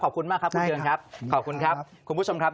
ขอบคุณมากครับคุณเชิญครับขอบคุณครับคุณผู้ชมครับ